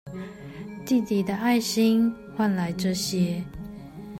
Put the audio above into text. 弟弟的愛心換來這些